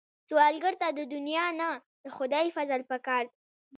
سوالګر ته د دنیا نه، د خدای فضل پکار دی